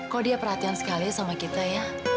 kok dia perhatian sekali sama kita ya